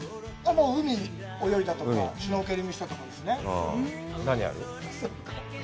海泳いだとかシュノーケリングしたとか何やる？